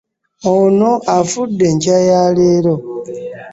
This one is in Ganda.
Ono afudde enkya ya leero.